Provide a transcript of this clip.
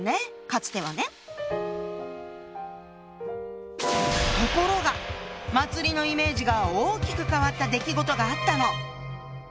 かつてはね。「祭」のイメージが大きく変わった出来事があったの！